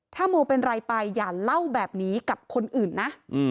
ถ้าโมเป็นไรไปอย่าเล่าแบบนี้กับคนอื่นนะ